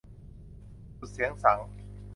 สุดเสียงสังข์